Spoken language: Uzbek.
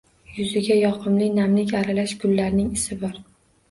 Yuziga yoqimli namlik aralash gullarning isi bor.